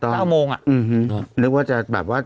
ต้องป้าลาโมงอ่ะอือฮือนึกว่าจะแบบว่า